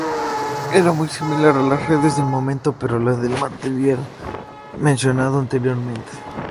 Era muy similar a las reales del momento pero del material mencionado anteriormente.